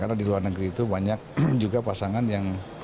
karena di luar negeri itu banyak juga pasangan yang